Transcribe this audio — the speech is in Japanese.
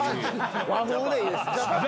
和風でいいです。